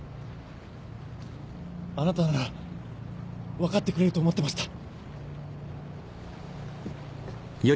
あなたなら分かってくれると思ってました。